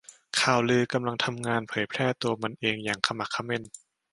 ข่าวลือกำลังทำงานเผยแพร่ตัวมันเองอย่างขมักเขม้น